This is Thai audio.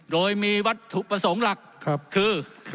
โดยมีวัตถุประสงค์หลักคือ